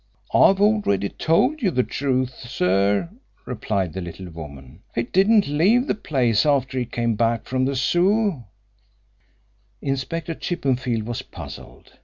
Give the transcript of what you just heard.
"I've already told you the truth, sir," replied the little woman. "He didn't leave the place after he came back from the Zoo." Inspector Chippenfield was puzzled.